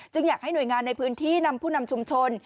อยากให้หน่วยงานในพื้นที่นำผู้นำชุมชน